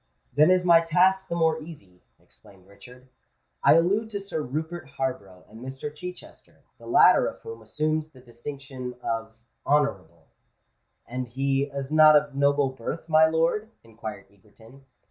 "Then is my task the more easy," exclaimed Richard. "I allude to Sir Rupert Harborough and Mr. Chichester, the latter of whom assumes the distinction of Honourable." "And is he not of noble birth, my lord?" inquired Egerton.